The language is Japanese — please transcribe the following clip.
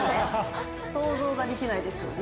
想像ができないですよね。